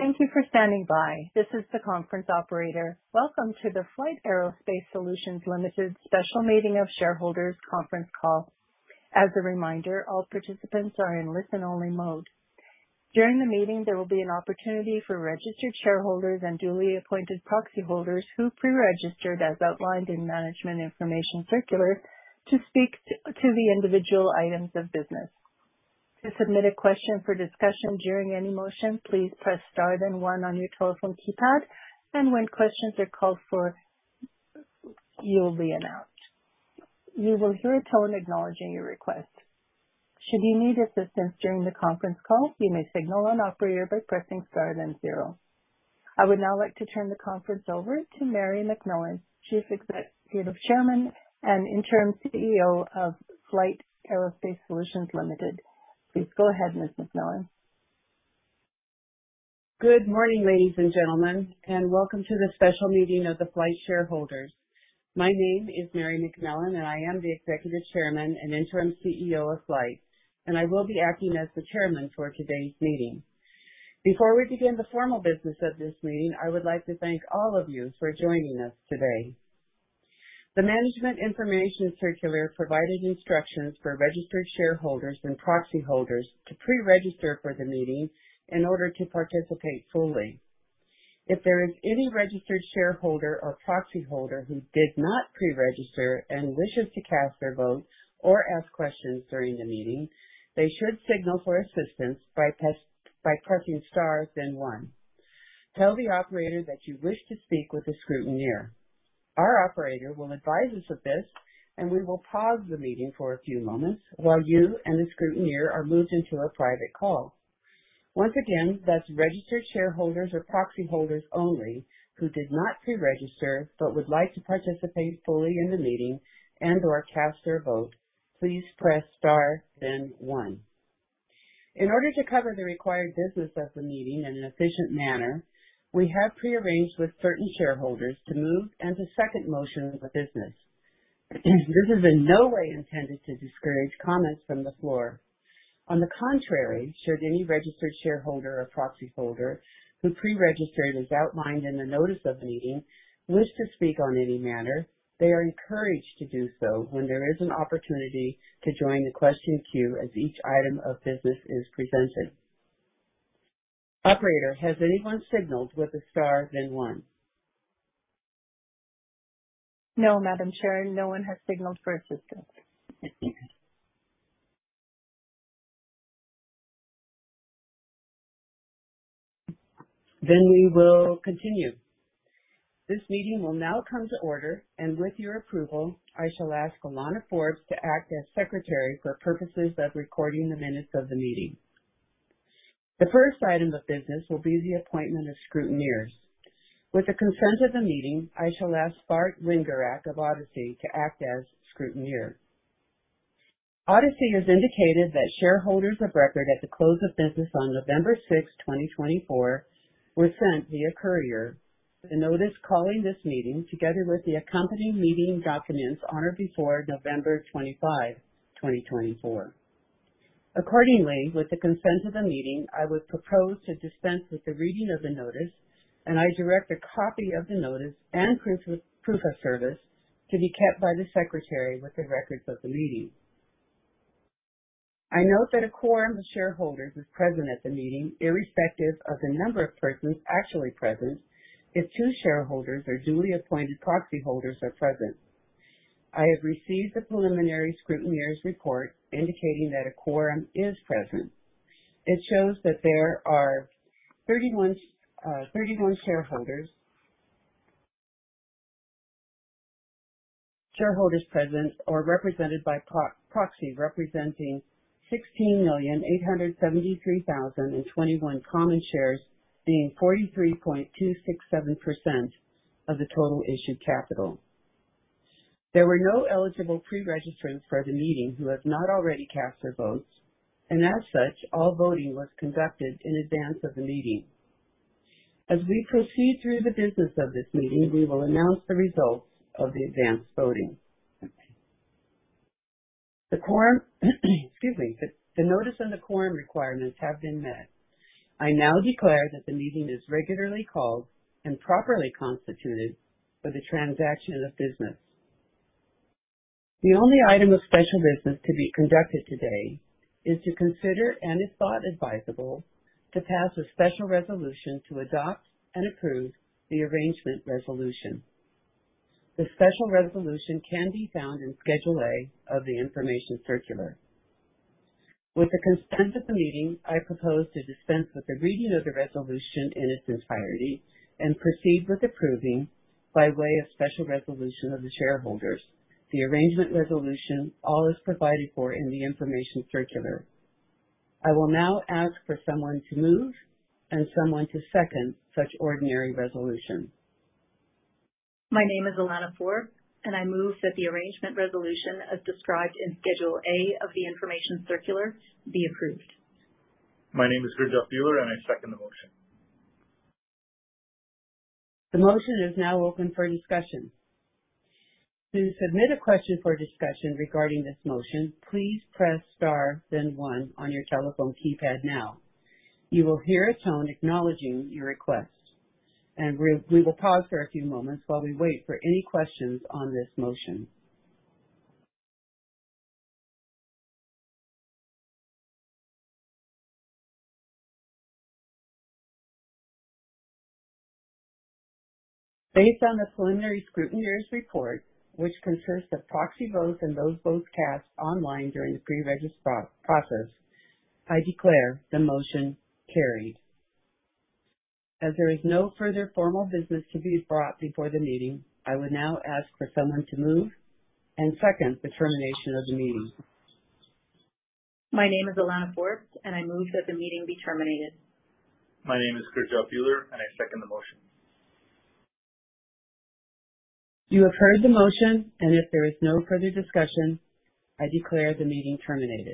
Thank you for standing by. This is the conference operator. Welcome to the FLYHT Aerospace Solutions Limited special meeting of shareholders' conference call. As a reminder, all participants are in listen-only mode. During the meeting, there will be an opportunity for registered shareholders and duly appointed proxy holders who pre-registered, as outlined in Management Information Circular, to speak to the individual items of business. To submit a question for discussion during any motion, please press star then one on your telephone keypad, and when questions are called for, you'll be announced. You will hear a tone acknowledging your request. Should you need assistance during the conference call, you may signal an operator by pressing star then zero. I would now like to turn the conference over to Mary McMillan, Executive Chairman and Interim CEO of FLYHT Aerospace Solutions Limited. Please go ahead, Ms. McMillan. Good morning, ladies and gentlemen, and welcome to the special meeting of the FLYHT shareholders. My name is Mary McMillan, and I am the Executive Chairman and Interim CEO of FLYHT, and I will be acting as the Chairman for today's meeting. Before we begin the formal business of this meeting, I would like to thank all of you for joining us today. The Management Information Circular provided instructions for registered shareholders and proxy holders to pre-register for the meeting in order to participate fully. If there is any registered shareholder or proxy holder who did not pre-register and wishes to cast their vote or ask questions during the meeting, they should signal for assistance by pressing star then one. Tell the operator that you wish to speak with a scrutineer. Our operator will advise us of this, and we will pause the meeting for a few moments while you and the scrutineer are moved into a private call. Once again, that's registered shareholders or proxy holders only who did not pre-register but would like to participate fully in the meeting and/or cast their vote. Please press star then one. In order to cover the required business of the meeting in an efficient manner, we have pre-arranged with certain shareholders to move into second motion of the business. This is in no way intended to discourage comments from the floor. On the contrary, should any registered shareholder or proxy holder who pre-registered, as outlined in the notice of the meeting, wish to speak on any matter, they are encouraged to do so when there is an opportunity to join the question queue as each item of business is presented. Operator, has anyone signaled with a star then one? No, Madam Chair, no one has signaled for assistance. Then we will continue. This meeting will now come to order, and with your approval, I shall ask Alana Forbes to act as Secretary for purposes of recording the minutes of the meeting. The first item of business will be the appointment of scrutineers. With the consent of the meeting, I shall ask Bart Wingerak of Odyssey to act as scrutineer. Odyssey has indicated that shareholders of record at the close of business on November 6, 2024, were sent via courier the notice calling this meeting together with the accompanying meeting documents on or before November 25, 2024. Accordingly, with the consent of the meeting, I would propose to dispense with the reading of the notice, and I direct a copy of the notice and proof of service to be kept by the Secretary with the records of the meeting. I note that a quorum of shareholders is present at the meeting, irrespective of the number of persons actually present if two shareholders or duly appointed proxy holders are present. I have received the preliminary scrutineer's report indicating that a quorum is present. It shows that there are 31 shareholders present or represented by proxy representing 16,873,021 common shares, being 43.267% of the total issued capital. There were no eligible pre-registrants for the meeting who have not already cast their votes, and as such, all voting was conducted in advance of the meeting. As we proceed through the business of this meeting, we will announce the results of the advanced voting. The quorum, excuse me, the notice and the quorum requirements have been met. I now declare that the meeting is regularly called and properly constituted for the transaction of business. The only item of special business to be conducted today is to consider and, if thought advisable, to pass a special resolution to adopt and approve the Arrangement Resolution. The special resolution can be found in Schedule A of the information circular. With the consent of the meeting, I propose to dispense with the reading of the resolution in its entirety and proceed with approving by way of special resolution of the shareholders. The Arrangement Resolution, as is provided for in the information circular. I will now ask for someone to move and someone to second such ordinary resolution. My name is Alana Forbes, and I move that the Arrangement Resolution as described in Schedule A of the information circular be approved. My name is Gurjot Bhullar, and I second the motion. The motion is now open for discussion. To submit a question for discussion regarding this motion, please press star then one on your telephone keypad now. You will hear a tone acknowledging your request, and we will pause for a few moments while we wait for any questions on this motion. Based on the preliminary scrutineer's report, which consists of proxy votes and those votes cast online during the pre-registration process, I declare the motion carried. As there is no further formal business to be brought before the meeting, I would now ask for someone to move and second the termination of the meeting. My name is Alana Forbes, and I move that the meeting be terminated. My name is Gurjot Bhullar, and I second the motion. You have heard the motion, and if there is no further discussion, I declare the meeting terminated.